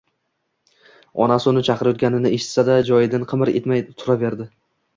Onasi uni chaqirayotganini eshitsa-da, joyidan qimir etmay turaverdi